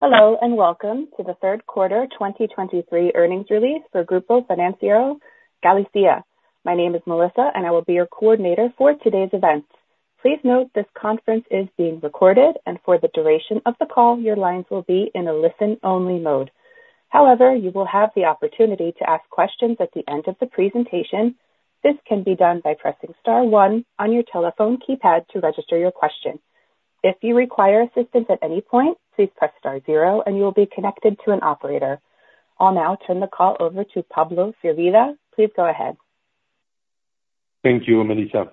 Hello, and welcome to the third quarter 2023 earnings release for Grupo Financiero Galicia. My name is Melissa, and I will be your coordinator for today's event. Please note, this conference is being recorded, and for the duration of the call, your lines will be in a listen-only mode. However, you will have the opportunity to ask questions at the end of the presentation. This can be done by pressing star one on your telephone keypad to register your question. If you require assistance at any point, please press star zero, and you will be connected to an operator. I'll now turn the call over to Pablo Firvida. Please go ahead. Thank you, Melissa.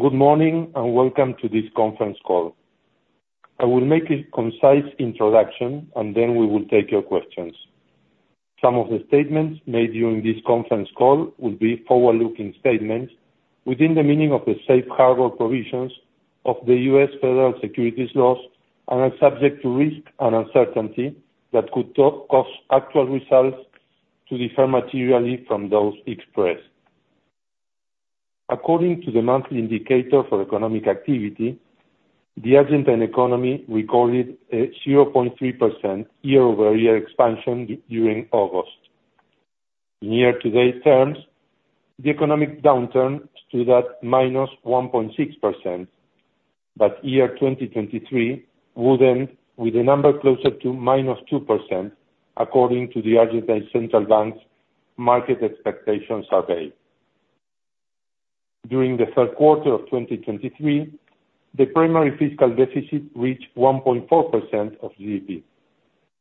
Good morning, and welcome to this conference call. I will make a concise introduction, and then we will take your questions. Some of the statements made during this conference call will be forward-looking statements within the meaning of the safe harbor provisions of the U.S. Federal Securities laws, and are subject to risk and uncertainty that could to cause actual results to differ materially from those expressed. According to the monthly indicator for economic activity, the Argentine economy recorded a 0.3% year-over-year expansion during August. In year-to-date terms, the economic downturn stood at -1.6%, but 2023 will end with a number closer to -2% according to the Argentine Central Bank's market expectations survey. During the third quarter of 2023, the primary fiscal deficit reached 1.4% of GDP.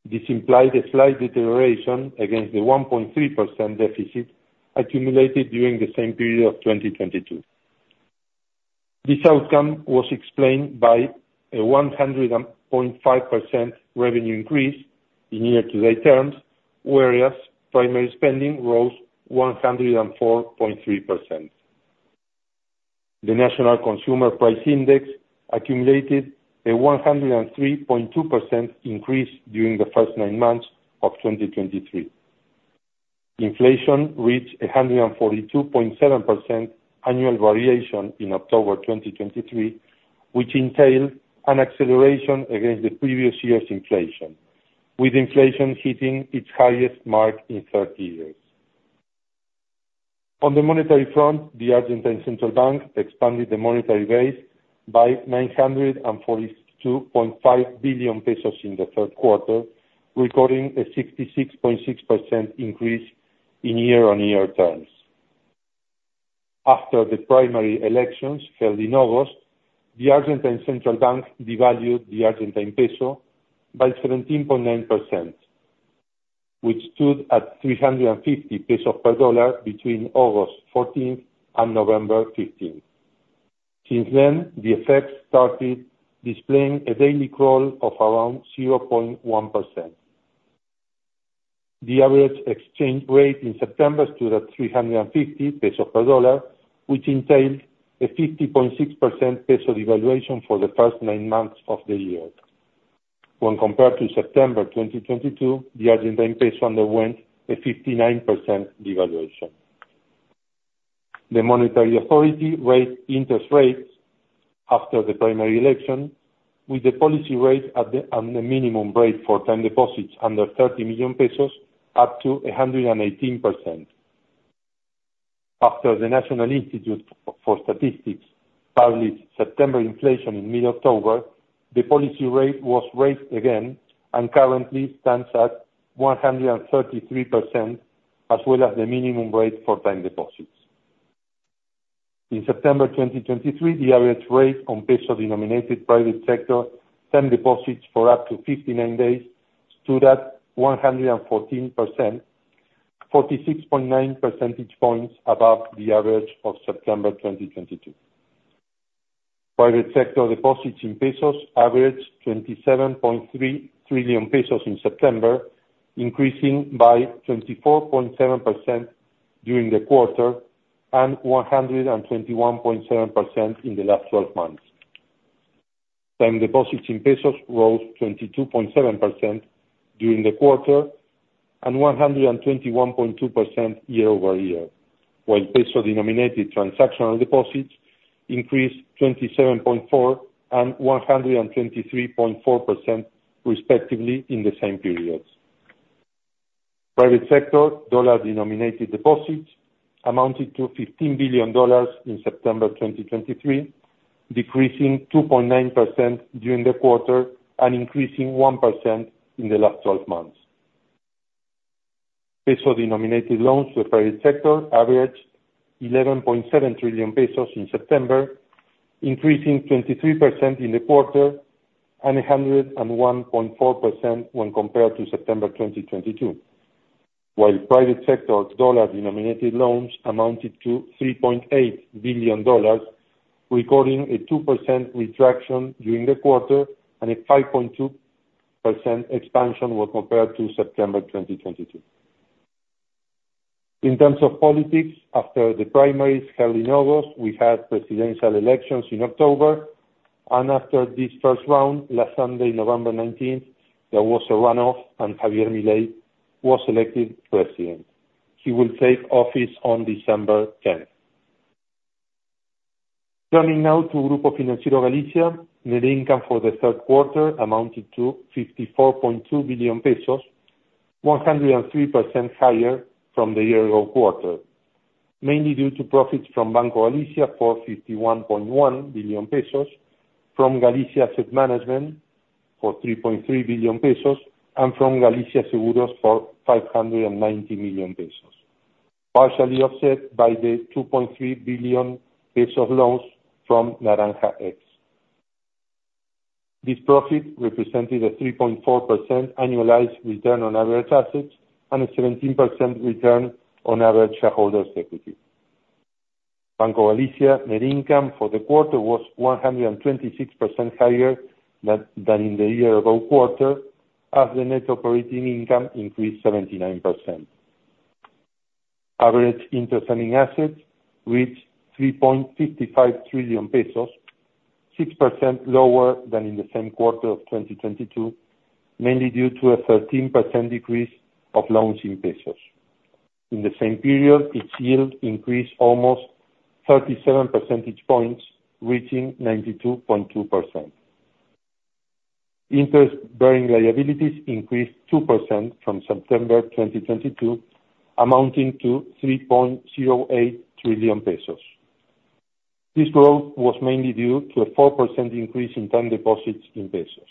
This implied a slight deterioration against the 1.3% deficit accumulated during the same period of 2022. This outcome was explained by a 100.5% revenue increase in year-to-date terms, whereas primary spending rose 104.3%. The National Consumer Price Index accumulated a 103.2% increase during the first nine months of 2023. Inflation reached a 142.7% annual variation in October 2023, which entailed an acceleration against the previous year's inflation, with inflation hitting its highest mark in 30 years. On the monetary front, the Argentine Central Bank expanded the monetary base by 942.5 billion pesos in the third quarter, recording a 66.6% increase in year-on-year terms. After the primary elections held in August, the Argentine Central Bank devalued the Argentine peso by 17.9%, which stood at 350 pesos per dollar between August 14th and November 15th. Since then, the effect started displaying a daily crawl of around 0.1%. The average exchange rate in September stood at 350 pesos per dollar, which entailed a 50.6% peso devaluation for the first nine months of the year. When compared to September 2022, the Argentine peso underwent a 59% devaluation. The monetary authority raised interest rates after the primary election, with the policy rate at the minimum rate for time deposits under 30 million pesos, up to 118%. After the National Institute for Statistics published September inflation in mid-October, the policy rate was raised again and currently stands at 133%, as well as the minimum rate for time deposits. In September 2023, the average rate on peso-denominated private sector term deposits for up to 59 days stood at 114%, 46.9 percentage points above the average of September 2022. Private sector deposits in pesos averaged 27.3 trillion pesos in September, increasing by 24.7% during the quarter, and 121.7% in the last 12 months. Time deposits in pesos rose 22.7% during the quarter, and 121.2% year-over-year, while peso-denominated transactional deposits increased 27.4% and 123.4%, respectively, in the same periods. Private sector dollar-denominated deposits amounted to $15 billion in September 2023, decreasing 2.9% during the quarter and increasing 1% in the last twelve months. Peso-denominated loans to the private sector averaged 11.7 trillion pesos in September, increasing 23% in the quarter and 101.4% when compared to September 2022. While private sector's dollar-denominated loans amounted to $3.8 billion, recording a 2% retraction during the quarter and a 5.2% expansion when compared to September 2022. In terms of politics, after the primaries held in August, we had presidential elections in October, and after this first round, last Sunday, November 19th, there was a runoff, and Javier Milei was elected president. He will take office on December 10th. Turning now to Grupo Financiero Galicia, net income for the third quarter amounted to 54.2 billion pesos, 103% higher from the year ago quarter, mainly due to profits from Banco Galicia for 51.1 billion pesos, from Galicia Asset Management for 3.3 billion pesos, and from Galicia Seguros for 590 million pesos, partially offset by the 2.3 billion peso loss from Naranja X. This profit represented a 3.4% annualized return on average assets and a 17% return on average shareholders' equity. Banco Galicia net income for the quarter was 126% higher than in the year ago quarter, as the net operating income increased 79%. Average interest earning assets reached 3.55 trillion pesos, 6% lower than in the same quarter of 2022, mainly due to a 13% decrease of loans in pesos. In the same period, its yield increased almost 37 percentage points, reaching 92.2%. Interest-bearing liabilities increased 2% from September 2022, amounting to 3.08 trillion pesos. This growth was mainly due to a 4% increase in term deposits in pesos.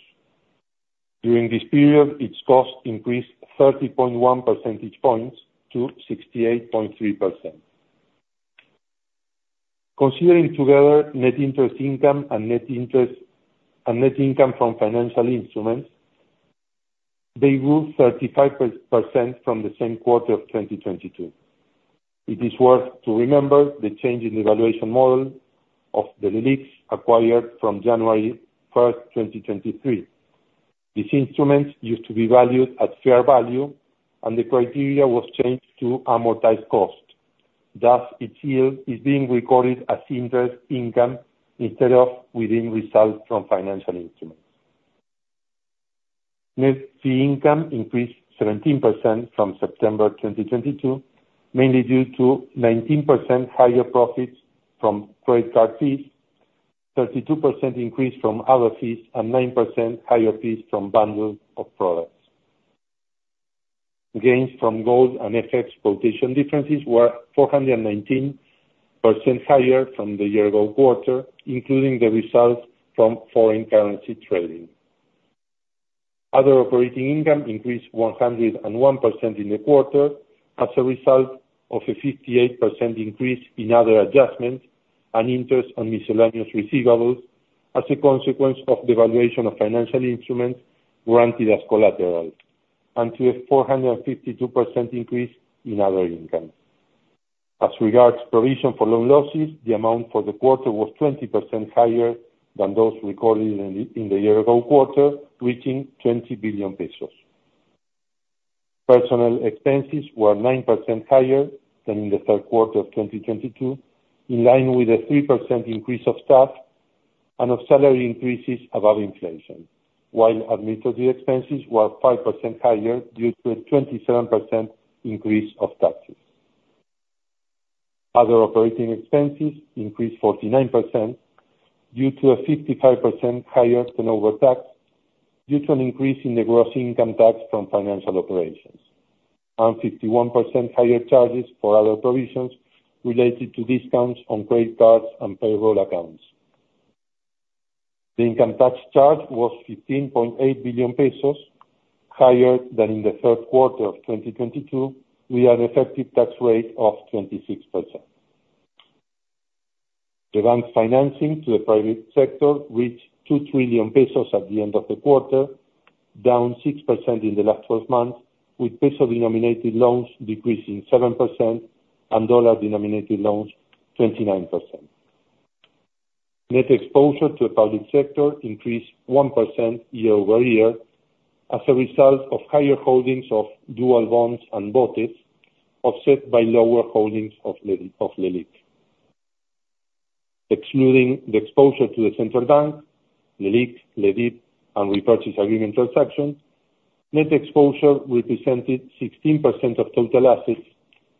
During this period, its cost increased 30.1 percentage points to 68.3%. Considering together net interest income and net interest, and net income from financial instruments, they grew 35% from the same quarter of 2022. It is worth to remember the change in the valuation model of the LELIC acquired from January 1, 2023. These instruments used to be valued at fair value, and the criteria was changed to amortized cost. Thus, its yield is being recorded as interest income instead of within results from financial instruments. Net fee income increased 17% from September 2022, mainly due to 19% higher profits from credit card fees, 32% increase from other fees, and 9% higher fees from bundle of products. Gains from gold and FX quotation differences were 419% higher from the year ago quarter, including the results from foreign currency trading. Other operating income increased 101% in the quarter as a result of a 58% increase in other adjustments and interest on miscellaneous receivables, as a consequence of the valuation of financial instruments granted as collateral, and to a 452% increase in other income. As regards provision for loan losses, the amount for the quarter was 20% higher than those recorded in the year ago quarter, reaching 20 billion pesos. Personnel expenses were 9% higher than in the third quarter of 2022, in line with a 3% increase of staff and of salary increases above inflation, while administrative expenses were 5% higher due to a 27% increase of taxes. Other operating expenses increased 49% due to a 55% higher turnover tax, due to an increase in the gross income tax from financial operations, and 51% higher charges for other provisions related to discounts on credit cards and payroll accounts. The income tax charge was 15.8 billion pesos, higher than in the third quarter of 2022, with an effective tax rate of 26%. The bank's financing to the private sector reached 2 trillion pesos at the end of the quarter, down 6% in the last 12 months, with peso-denominated loans decreasing 7% and dollar-denominated loans, 29%. Net exposure to the public sector increased 1% year-over-year as a result of higher holdings of dual bonds and BOTEs, offset by lower holdings of LELICs. Excluding the exposure to the central bank, LELIC, LEDIV, and repurchase agreement transactions, net exposure represented 16% of total assets,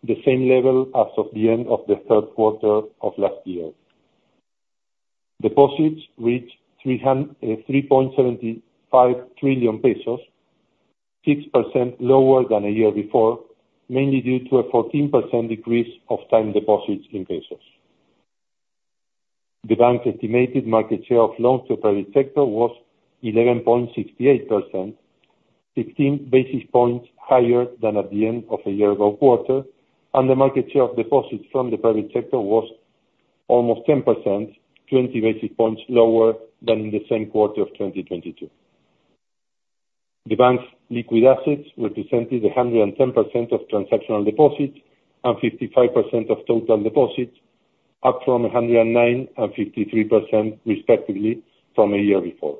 the same level as of the end of the third quarter of last year. Deposits reached 3.75 trillion pesos, 6% lower than a year before, mainly due to a 14% decrease of time deposits in pesos. The bank's estimated market share of loans to the private sector was 11.68%, 16 basis points higher than at the end of the year-ago quarter, and the market share of deposits from the private sector was almost 10%, 20 basis points lower than in the same quarter of 2022. The bank's liquid assets represented 110% of transactional deposits and 55% of total deposits, up from 109 and 53% respectively from a year before.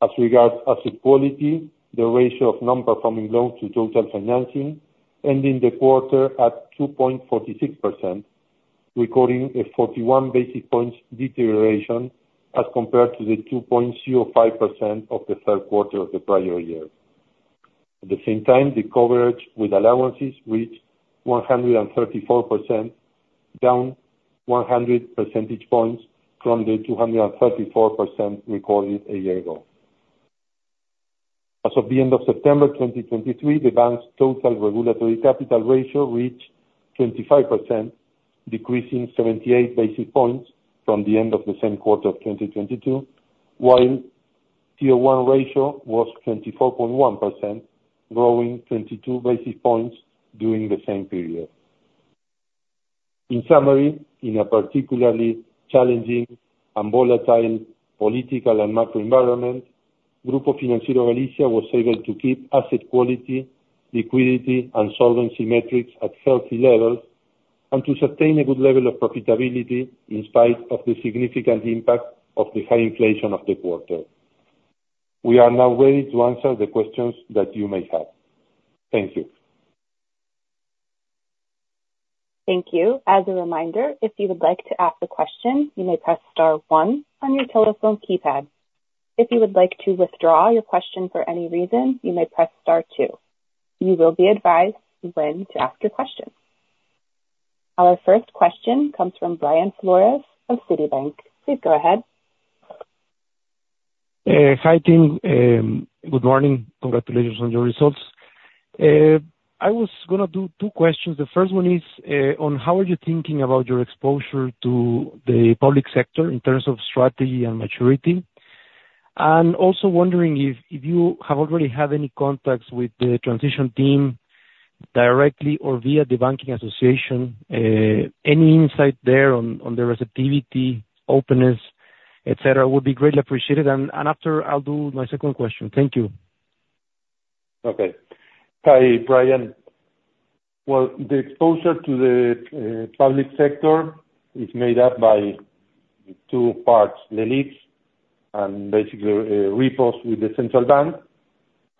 As regards asset quality, the ratio of non-performing loans to total financing end in the quarter at 2.46%, recording a 41 basis points deterioration as compared to the 2.05% of the third quarter of the prior year. At the same time, the coverage with allowances reached 134%, down 100 percentage points from the 234% recorded a year ago. As of the end of September 2023, the bank's total regulatory capital ratio reached 25%, decreasing 78 basis points from the end of the same quarter of 2022. While Tier One ratio was 24.1%, growing 22 basis points during the same period. In summary, in a particularly challenging and volatile political and macro environment, Grupo Financiero Galicia was able to keep asset quality, liquidity, and solvency metrics at healthy levels, and to sustain a good level of profitability in spite of the significant impact of the high inflation of the quarter. We are now ready to answer the questions that you may have. Thank you. Thank you. As a reminder, if you would like to ask a question, you may press star one on your telephone keypad. If you would like to withdraw your question for any reason, you may press star two. You will be advised when to ask your question. Our first question comes from Brian Flores of Citibank. Please go ahead. Hi, team. Good morning. Congratulations on your results. I was gonna do two questions. The first one is, on how are you thinking about your exposure to the public sector in terms of strategy and maturity? And also wondering if, if you have already had any contacts with the transition team, directly or via the banking association, any insight there on, on the receptivity, openness, et cetera, would be greatly appreciated. And, and after, I'll do my second question. Thank you. Okay. Hi, Brian. Well, the exposure to the public sector is made up by two parts: the LELICs and basically repos with the central bank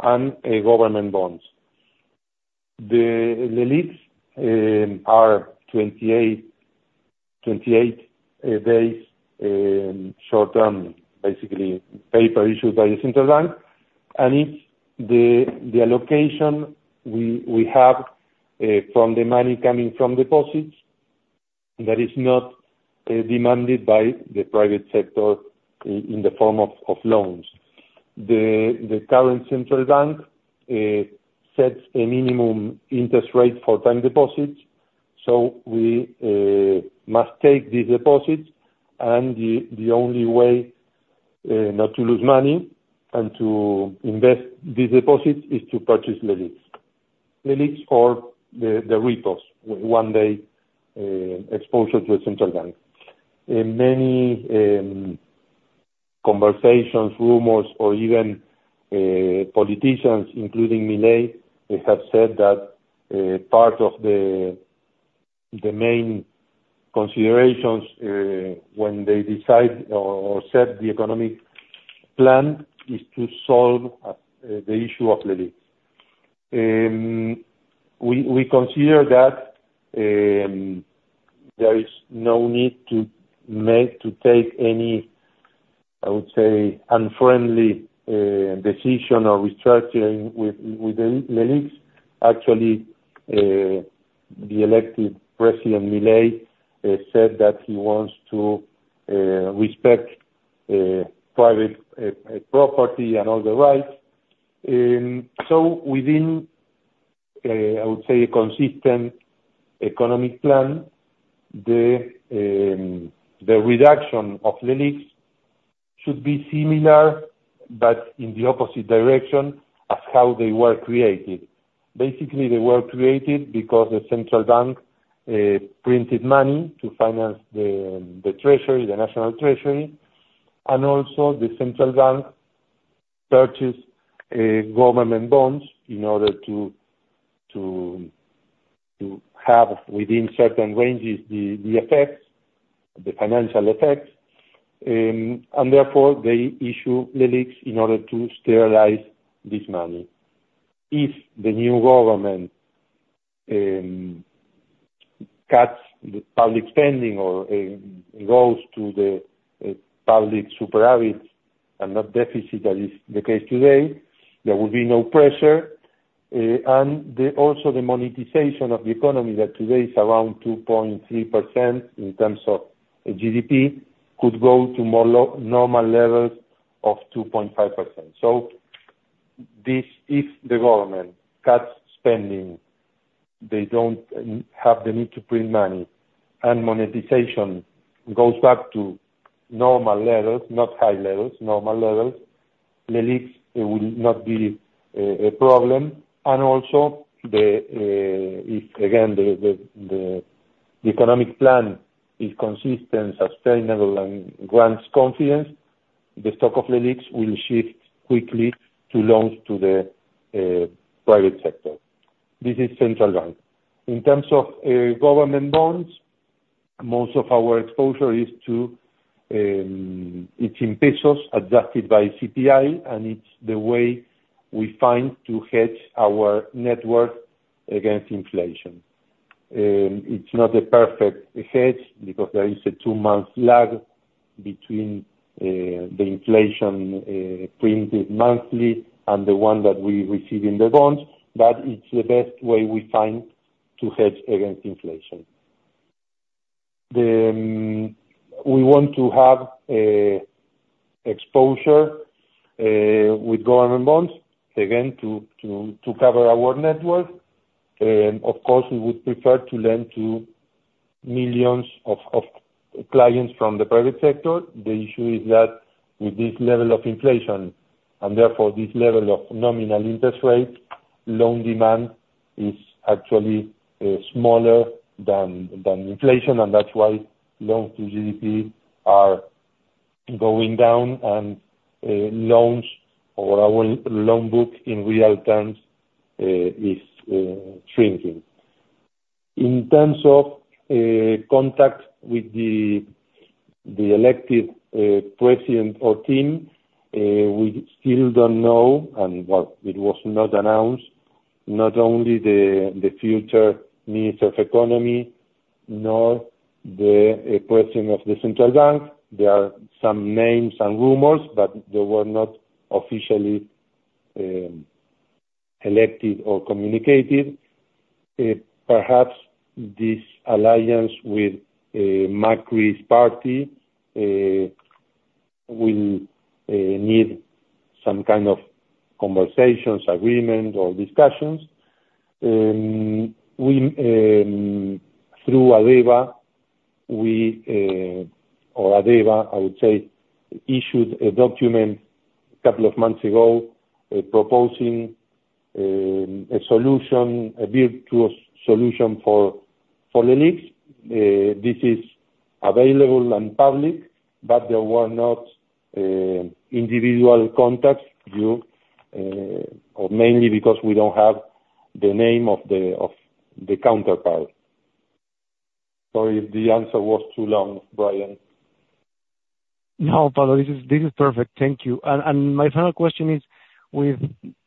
and government bonds. The LELICs are 28-day short-term, basically, paper issued by the central bank. It's the allocation we have from the money coming from deposits that is not demanded by the private sector in the form of loans. The current central bank sets a minimum interest rate for time deposits, so we must take these deposits, and the only way not to lose money and to invest these deposits is to purchase the LELICs. The LELICs or the repos, one day exposure to a central bank. In many conversations, rumors or even politicians, including Milei, they have said that part of the main considerations when they decide or set the economic plan is to solve the issue of LECAPs. We consider that there is no need to take any, I would say, unfriendly decision or restructuring with the LECAPs. Actually, the elected President, Milei, said that he wants to respect private property and all the rights. So within, I would say, a consistent economic plan, the reduction of the LECAPs should be similar, but in the opposite direction of how they were created. Basically, they were created because the central bank printed money to finance the treasury, the national treasury, and also the central bank purchased government bonds in order to have, within certain ranges, the effects, the financial effects. And therefore, they issue the LELICs in order to sterilize this money. If the new government cuts the public spending or goes to the public surplus and not deficit, that is the case today, there will be no pressure. Also, the monetization of the economy, that today is around 2.3% in terms of GDP, could go to more normal levels of 2.5%. So this, if the government cuts spending, they don't have the need to print money, and monetization goes back to normal levels, not high levels, normal levels, the LELICs will not be a problem. And also if again, the economic plan is consistent, sustainable, and grants confidence, the stock of the LELICs will shift quickly to loans to the private sector. This is central bank. In terms of government bonds, most of our exposure is to, it's in pesos, adjusted by CPI, and it's the way we find to hedge our net worth against inflation. It's not a perfect hedge because there is a two-month lag between the inflation printed monthly and the one that we receive in the bonds, but it's the best way we find to hedge against inflation. Then, we want to have exposure with government bonds, again, to cover our network, and of course, we would prefer to lend to millions of clients from the private sector. The issue is that with this level of inflation, and therefore this level of nominal interest rate, loan demand is actually smaller than inflation, and that's why loans to GDP are going down, and loans or our loan book in real terms is shrinking. In terms of contact with the elected president or team, we still don't know, and well, it was not announced, not only the future minister of economy, nor the president of the central bank. There are some names and rumors, but they were not officially elected or communicated. Perhaps this alliance with Macri's party will need some kind of conversations, agreement, or discussions. We through ADEBA, we or ADEBA, I would say, issued a document a couple of months ago proposing a solution, a virtual solution for. This is available and public, but there were not individual contacts due or mainly because we don't have the name of the of the counterpart. Sorry if the answer was too long, Brian. No, Pablo, this is, this is perfect. Thank you. And, and my final question is, with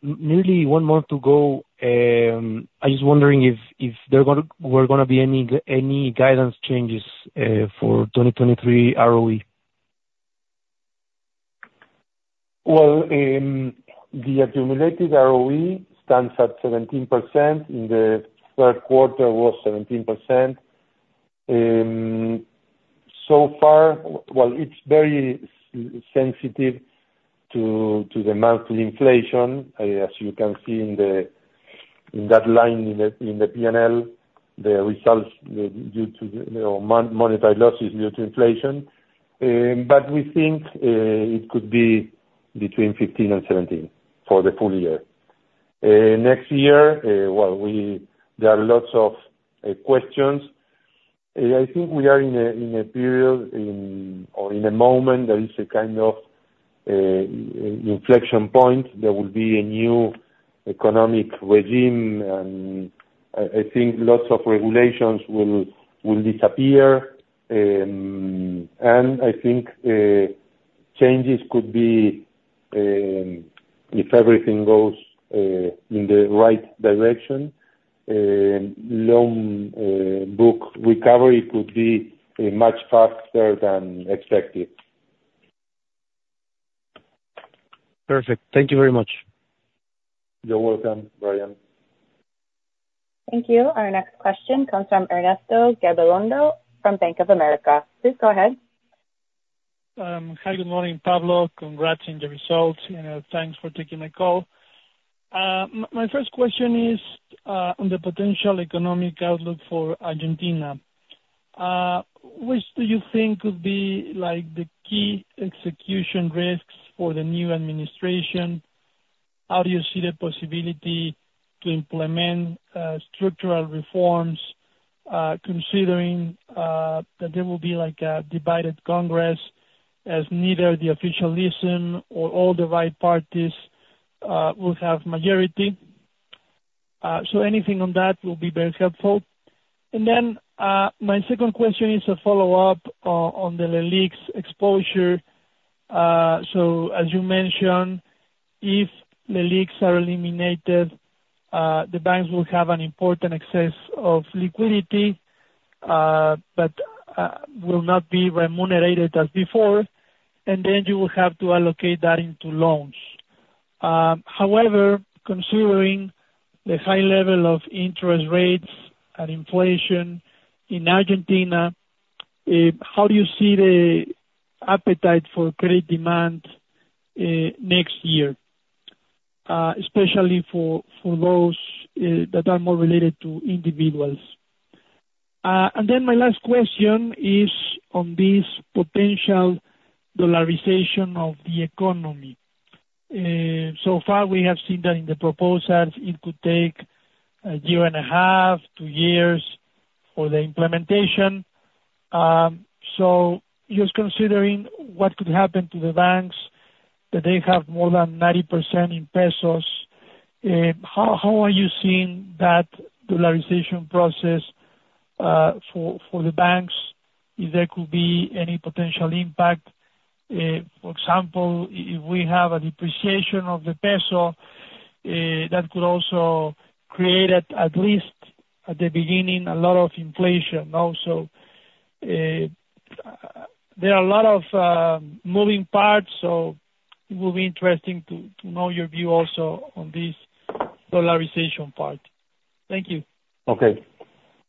nearly one month to go, I'm just wondering if, if there were gonna be any guidance changes, for 2023 ROE? Well, the accumulated ROE stands at 17%, in the third quarter was 17%. So far, well, it's very sensitive to the monthly inflation, as you can see in that line in the P&L, the results due to, you know, monetary losses due to inflation. But we think it could be between 15%-17% for the full year. Next year, well, we... There are lots of questions. I think we are in a period, in a moment, there is a kind of inflection point. There will be a new economic regime, and I think lots of regulations will disappear. I think changes could be, if everything goes in the right direction, loan book recovery could be much faster than expected. Perfect. Thank you very much. You're welcome, Brian. Thank you. Our next question comes from Ernesto Gabilondo from Bank of America. Please go ahead. Hi, good morning, Pablo. Congrats on the results, and thanks for taking my call. My first question is on the potential economic outlook for Argentina. Which do you think could be, like, the key execution risks for the new administration? How do you see the possibility to implement structural reforms, considering that there will be, like, a divided Congress, as neither the officialist or all the right parties will have majority? So anything on that will be very helpful. And then my second question is a follow-up on the LELICs exposure. So as you mentioned, if the LELICs are eliminated, the banks will have an important excess of liquidity, but will not be remunerated as before, and then you will have to allocate that into loans. However, considering the high level of interest rates and inflation in Argentina, how do you see the appetite for credit demand next year, especially for those that are more related to individuals? And then my last question is on this potential dollarization of the economy. So far, we have seen that in the proposals it could take a year and a half, two years for the implementation. So just considering what could happen to the banks, that they have more than 90% in pesos, how are you seeing that dollarization process for the banks?... if there could be any potential impact, for example, if we have a depreciation of the peso, that could also create at least at the beginning, a lot of inflation also. There are a lot of moving parts, so it will be interesting to know your view also on this dollarization part. Thank you. Okay.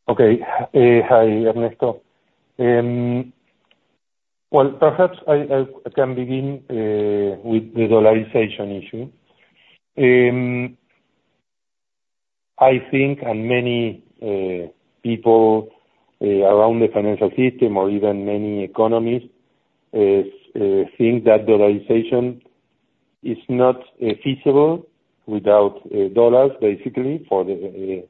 Okay. Hi, Ernesto. Well, perhaps I can begin with the dollarization issue. I think, and many people around the financial system or even many economists think that dollarization is not feasible without dollars, basically for the,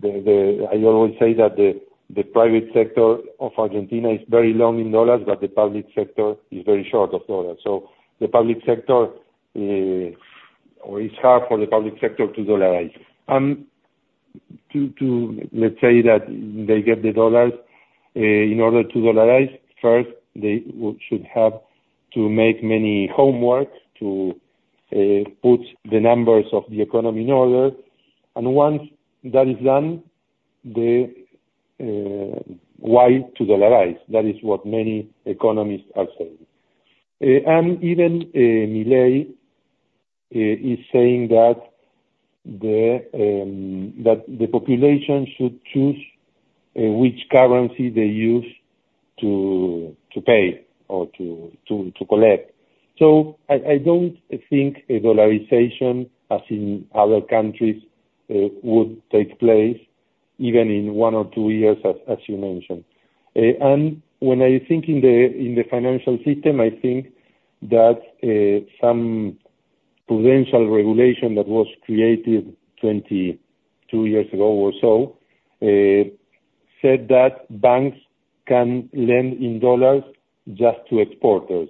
the, the, I always say that the private sector of Argentina is very long in dollars, but the public sector is very short of dollars. So the public sector, or it's hard for the public sector to dollarize. To, to, let's say that they get the dollars in order to dollarize, first, they would-should have to make many homework to put the numbers of the economy in order, and once that is done, the, why to dollarize? That is what many economists are saying. Even Milei is saying that the population should choose which currency they use to pay or to collect. So I don't think a dollarization, as in other countries, would take place even in one or two years, as you mentioned. And when I think in the financial system, I think that some provincial regulation that was created 22 years ago or so said that banks can lend in dollars just to exporters.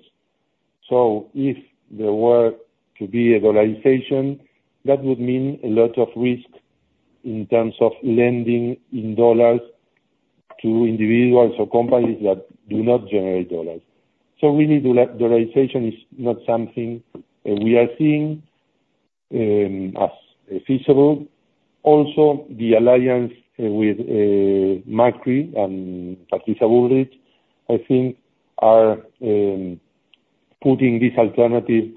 So if there were to be a dollarization, that would mean a lot of risk in terms of lending in dollars to individuals or companies that do not generate dollars. So dollarization is not something we are seeing as feasible. Also, the alliance with Macri and Patricia Bullrich, I think are putting this alternative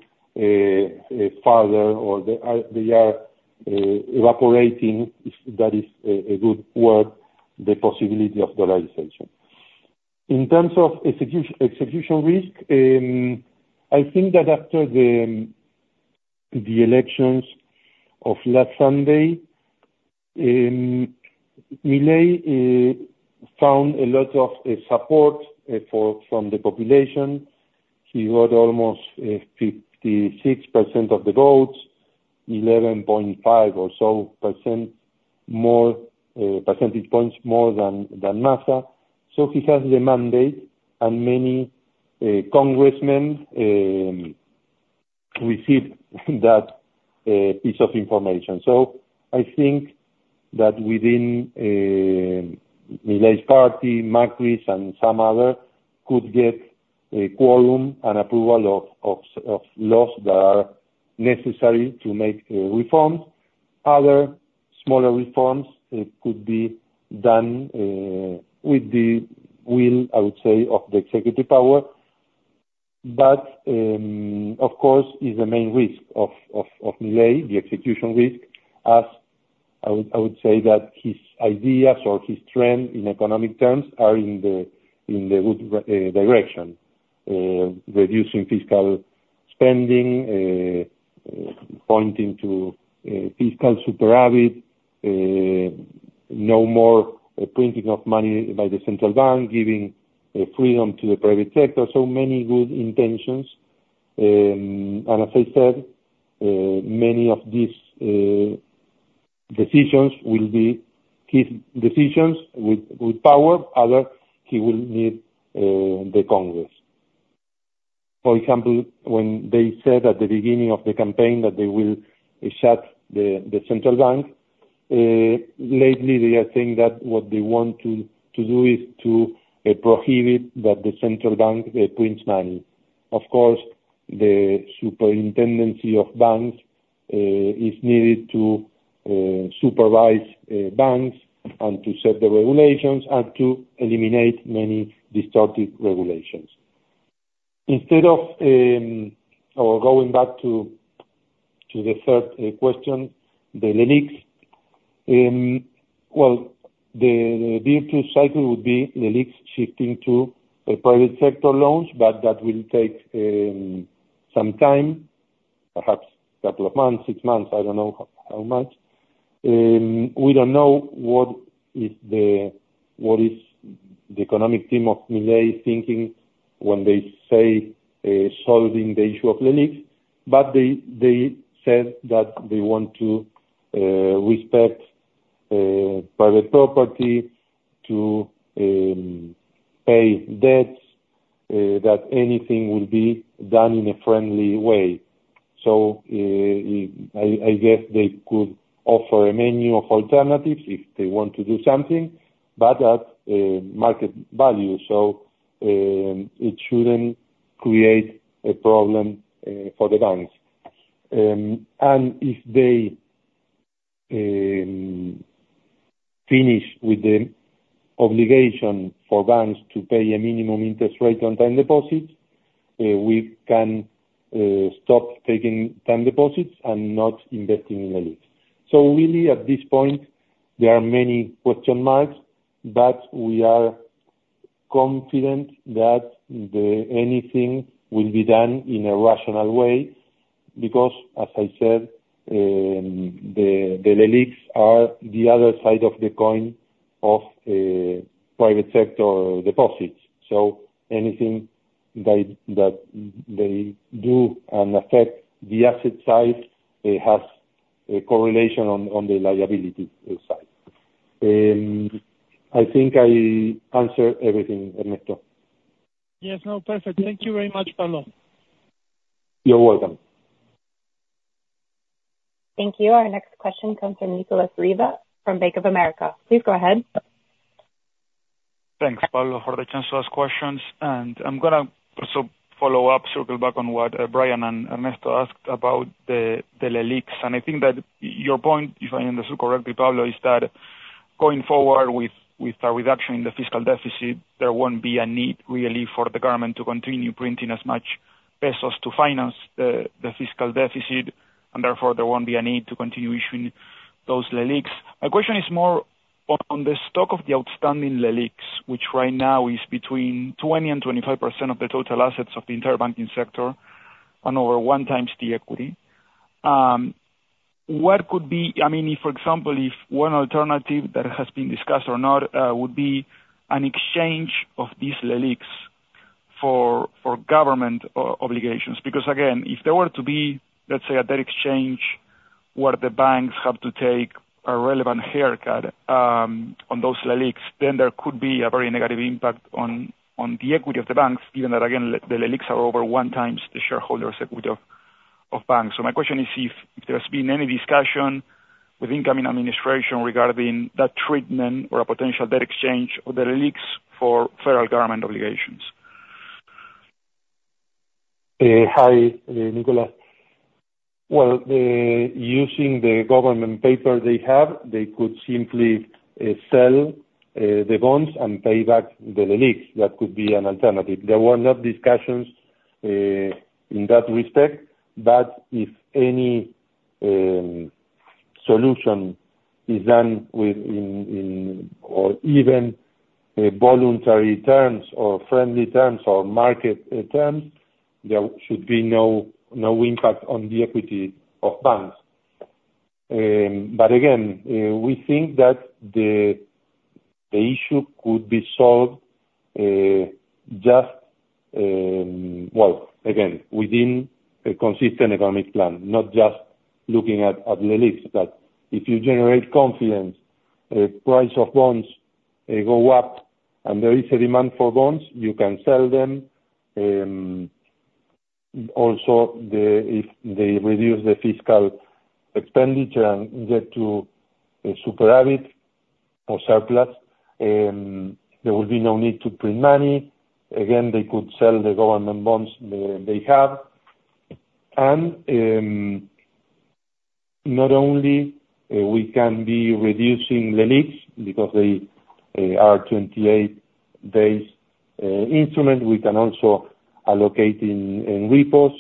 farther or they are evaporating, if that is a good word, the possibility of dollarization. In terms of execution risk, I think that after the elections of last Sunday, Milei found a lot of support from the population. He got almost 56% of the votes, 11.5 or so percentage points more than Massa, so he has the mandate, and many congressmen received that piece of information. So I think that within Milei's party, Macri's, and some other, could get a quorum and approval of laws that are necessary to make reforms. Other smaller reforms could be done with the will, I would say, of the executive power. But of course is the main risk of Milei, the execution risk, as I would say that his ideas or his trend in economic terms are in the good direction. Reducing fiscal spending pointing to fiscal surplus, no more printing of money by the central bank, giving freedom to the private sector, so many good intentions. And as I said, many of these decisions will be his decisions with power; other, he will need the Congress. For example, when they said at the beginning of the campaign that they will shut the central bank, lately, they are saying that what they want to do is to prohibit that the central bank prints money. Of course, the Superintendency of Banks is needed to supervise banks and to set the regulations and to eliminate many distorted regulations. Instead of or going back to the third question, the LELICS. Well, the virtual cycle would be LELICS shifting to private sector loans, but that will take some time, perhaps a couple of months, six months, I don't know how much. We don't know what is the, what is the economic team of Milei thinking when they say solving the issue of LELICS, but they, they said that they want to respect private property, to pay debts, that anything will be done in a friendly way. So, I, I guess they could offer a menu of alternatives if they want to do something, but at market value, so it shouldn't create a problem for the banks. And if they finish with the obligation for banks to pay a minimum interest rate on time deposits, we can stop taking time deposits and not investing in the LELICS. So really, at this point, there are many question marks, but we are confident that anything will be done in a rational way, because, as I said, the LELICS are the other side of the coin of private sector deposits. So anything that they do and affect the asset side, it has a correlation on the liability side. I think I answered everything, Ernesto. Yes. No, perfect. Thank you very much, Pablo. You're welcome. Thank you. Our next question comes from Nicolas Riva from Bank of America. Please go ahead. Thanks, Pablo, for the chance to ask questions. I'm gonna also follow up, circle back on what Brian and Ernesto asked about the LELICS. I think that your point, if I understood correctly, Pablo, is that going forward with a reduction in the fiscal deficit, there won't be a need really for the government to continue printing as much pesos to finance the fiscal deficit, and therefore, there won't be a need to continue issuing those LELICS. My question is more on the stock of the outstanding LELICS, which right now is between 20%-25% of the total assets of the entire banking sector, and over one times the equity. What could be... I mean, if, for example, one alternative that has been discussed or not would be an exchange of these LELICS for government obligations. Because again, if there were to be, let's say, a debt exchange, where the banks have to take a relevant haircut on those LELICS, then there could be a very negative impact on the equity of the banks, given that, again, the LELICS are over 1x the shareholders' equity of banks. So my question is, if there's been any discussion with incoming administration regarding that treatment or a potential debt exchange of the LELICS for federal government obligations? Hi, Nicolas. Well, using the government paper they have, they could simply sell the bonds and pay back the LELICS. That could be an alternative. There were no discussions in that respect, but if any solution is done within or even voluntary terms or friendly terms or market terms, there should be no impact on the equity of banks. But again, we think that the issue could be solved just, well, again, within a consistent economic plan, not just looking at LELICS, but if you generate confidence, the price of bonds go up and there is a demand for bonds, you can sell them. Also, if they reduce the fiscal expenditure and get to a surplus, there will be no need to print money. Again, they could sell the government bonds they have. And not only we can be reducing LELICS because they are 28-day instrument, we can also allocate in repos.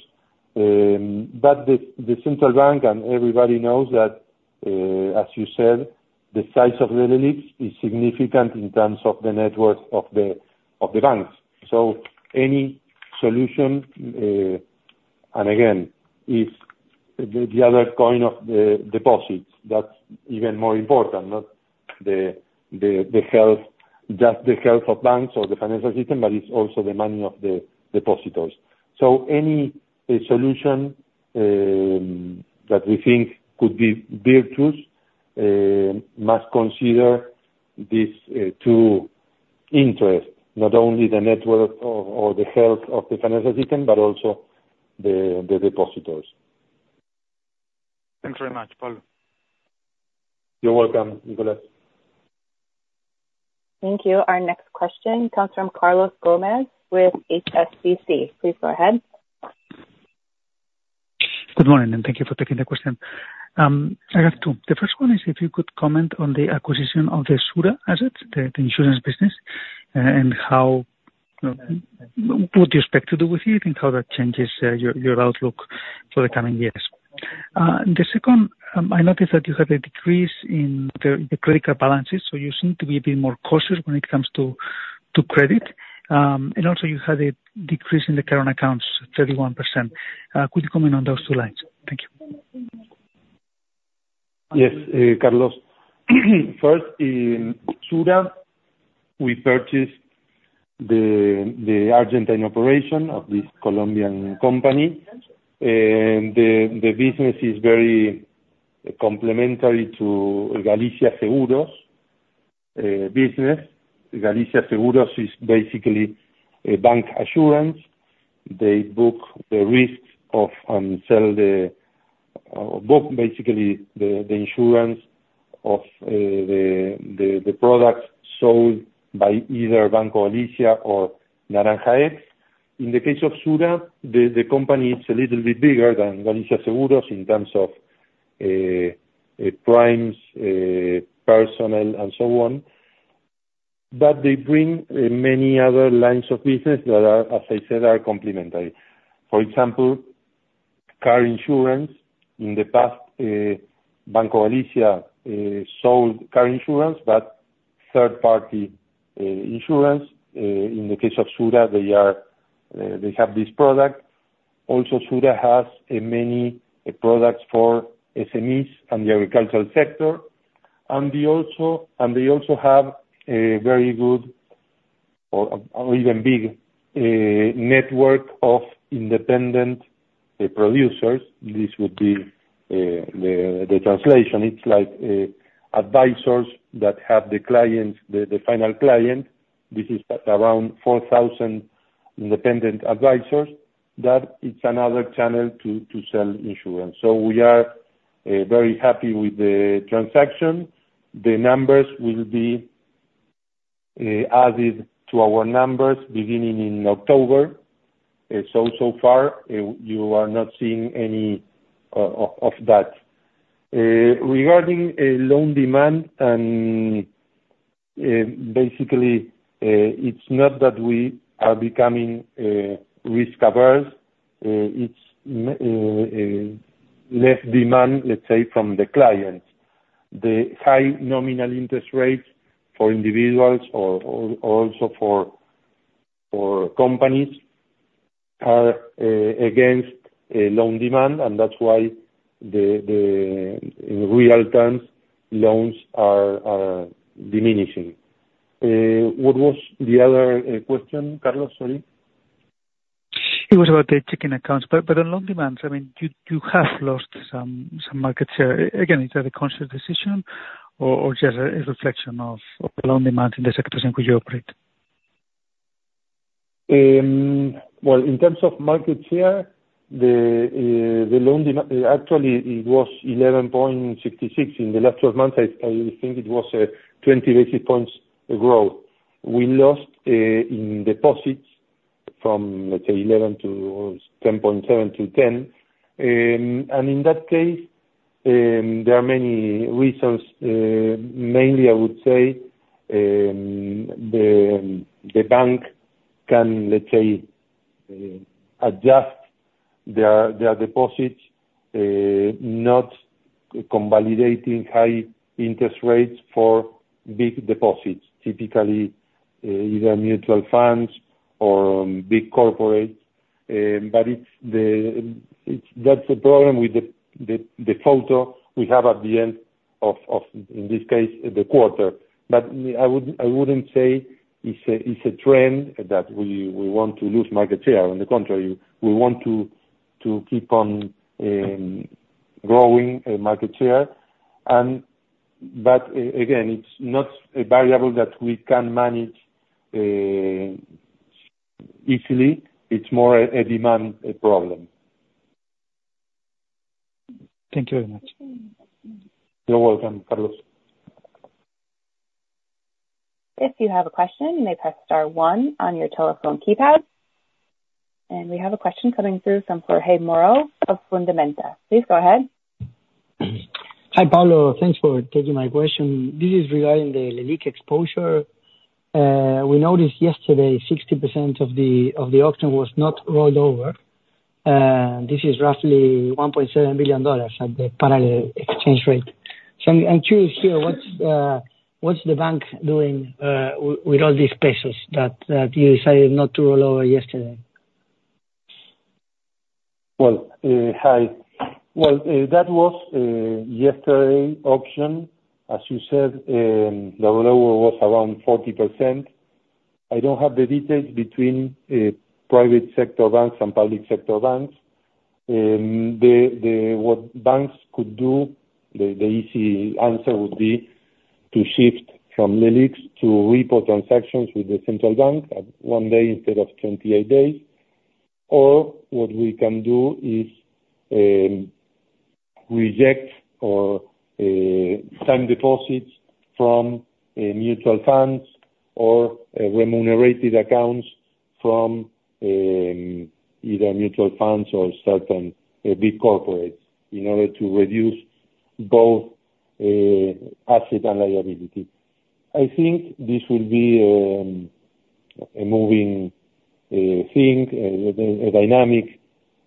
But the central bank and everybody knows that, as you said, the size of the LELICS is significant in terms of the net worth of the banks. So any solution, and again, if the other coin of the deposits, that's even more important, not just the health of banks or the financial system, but it's also the money of the depositors. So any solution that we think could be virtuous must consider these two interests, not only the net worth or the health of the financial system, but also the depositors. Thanks very much, Pablo. You're welcome, Nicolas. Thank you. Our next question comes from Carlos Gomez with HSBC. Please go ahead. Good morning, and thank you for taking the question. I have two. The first one is, if you could comment on the acquisition of the Sura assets, the insurance business, and how what do you expect to do with it? And how that changes your outlook for the coming years? The second, I noticed that you had a decrease in the critical balances, so you seem to be a bit more cautious when it comes to credit. And also you had a decrease in the current accounts, 31%. Could you comment on those two lines? Thank you. Yes, Carlos. First, in Sura, we purchased the Argentine operation of this Colombian company, and the business is very complementary to Galicia Seguros business. Galicia Seguros is basically a bancassurance. They book the risks of sell the book, basically the insurance of the products sold by either Banco Galicia or Naranja X. In the case of Sura, the company is a little bit bigger than Galicia Seguros in terms of premiums, personnel, and so on. But they bring many other lines of business that are, as I said, complementary. For example, car insurance. In the past, Banco Galicia sold car insurance, but third party insurance. In the case of Sura, they have this product. Also, Sura has many products for SMEs and the agricultural sector, and they also, and they also have a very good or even big network of independent producers. This would be the translation. It's like advisors that have the clients, the final client. This is around 4,000 independent advisors. That is another channel to sell insurance. So we are very happy with the transaction. The numbers will be added to our numbers beginning in October. So far, you are not seeing any of that. Regarding loan demand and basically, it's not that we are becoming risk-averse, it's less demand, let's say, from the clients. The high nominal interest rates for individuals or also for companies are against a loan demand, and that's why the in real terms, loans are diminishing. What was the other question, Carlos? Sorry. It was about the checking accounts, but on loan demands, I mean, you have lost some market share. Again, is that a conscious decision or just a reflection of the loan demand in the sector in which you operate? Well, in terms of market share, the loan demand, actually it was 11.66% in the last 12 months. I think it was 20 basis points growth. We lost in deposits from, let's say, 11%-10.7%-10%. And in that case, there are many reasons. Mainly, I would say, the bank can, let's say, adjust their deposits, not convalidating high interest rates for big deposits, typically, either mutual funds or big corporates. But it's the - that's the problem with the photo we have at the end of, in this case, the quarter. But I wouldn't say it's a trend that we want to lose market share. On the contrary, we want to keep on growing market share. But again, it's not a variable that we can manage easily. It's more a demand problem. Thank you very much. You're welcome, Carlos. If you have a question, you may press star one on your telephone keypad. We have a question coming through from Jorge Moro of Fundamenta. Please go ahead. Hi, Pablo. Thanks for taking my question. This is regarding the LELIC exposure. We noticed yesterday 60% of the auction was not rolled over. This is roughly $1.7 billion at the parallel exchange rate. So I'm curious here. What's the bank doing with all these pesos that you decided not to roll over yesterday? Well, hi. Well, that was yesterday auction, as you said, the rollover was around 40%. I don't have the details between private sector banks and public sector banks. What banks could do, the easy answer would be to shift from LELICs to repo transactions with the central bank at 1 day instead of 28 days. Or what we can do is reject or sign deposits from mutual funds or remunerated accounts from either mutual funds or certain big corporates, in order to reduce both asset and liability. I think this will be a moving thing, a dynamic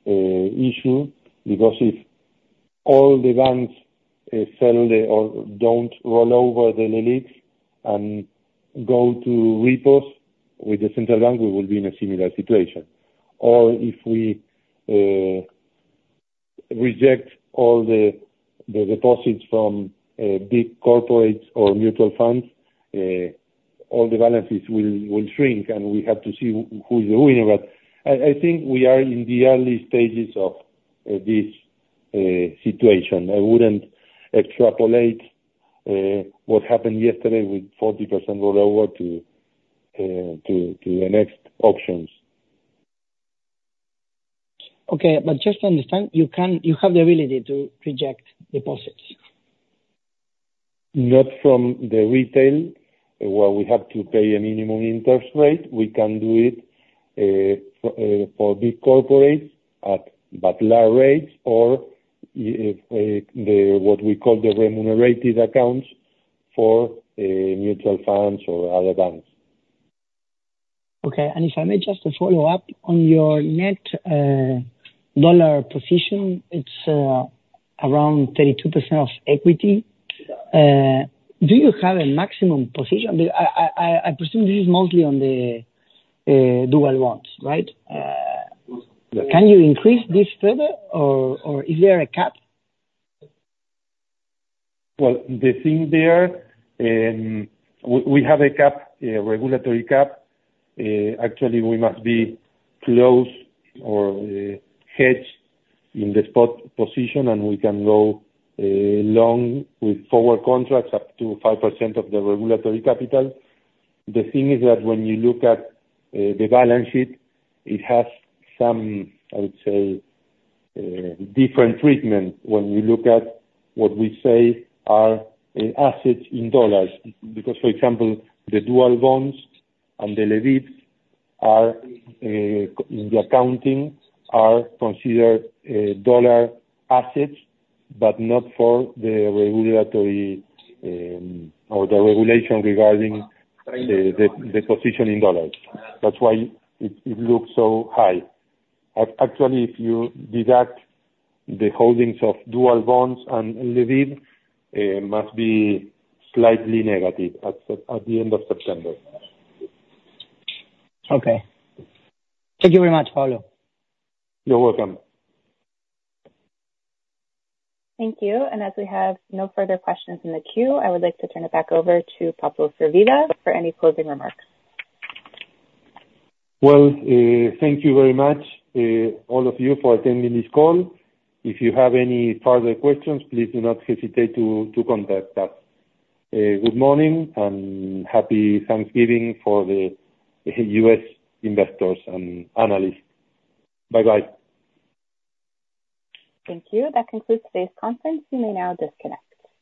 issue, because if all the banks sell the or don't roll over the LELICs and go to repos with the central bank, we will be in a similar situation. Or if we reject all the deposits from big corporates or mutual funds, all the balances will shrink, and we have to see who is the winner. But I think we are in the early stages of this situation. I wouldn't extrapolate what happened yesterday with 40% rollover to the next options. Okay. But just to understand, you have the ability to reject deposits? Not from the retail, where we have to pay a minimum interest rate. We can do it for big corporates at but lower rates or if the what we call the remunerative accounts for mutual funds or other banks. Okay. And if I may just a follow-up, on your net dollar position, it's around 32% of equity. Do you have a maximum position? I presume this is mostly on the Dual Bonds, right? Can you increase this further or is there a cap? Well, the thing there, we have a cap, a regulatory cap. Actually we must be close or hedged in the spot position, and we can go long with forward contracts up to 5% of the regulatory capital. The thing is that when you look at the balance sheet, it has some, I would say, different treatment when we look at what we say are assets in dollars. Because, for example, the dual bonds and the LELICs are in the accounting considered dollar assets, but not for the regulatory or the regulation regarding the position in dollars. That's why it looks so high. Actually, if you deduct the holdings of dual bonds and LELIC, it must be slightly negative at the end of September. Okay. Thank you very much, Pablo. You're welcome. Thank you, and as we have no further questions in the queue, I would like to turn it back over to Pablo Firvida for any closing remarks. Well, thank you very much, all of you for attending this call. If you have any further questions, please do not hesitate to contact us. Good morning and happy Thanksgiving for the U.S. investors and analysts. Bye-bye. Thank you. That concludes today's conference. You may now disconnect.